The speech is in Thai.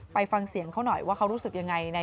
ฟังเสียงเขาหน่อยว่าเขารู้สึกยังไง